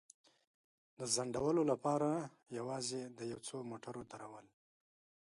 د ځنډولو لپاره یوازې د یو څو موټرو درول.